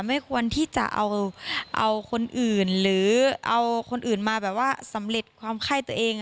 ไม่ควรที่จะเอาคนอื่นหรือเอาคนอื่นมาแบบว่าสำเร็จความไข้ตัวเอง